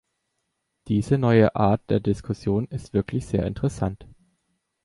Diese neue Art der Diskussion ist wirklich sehr interessant.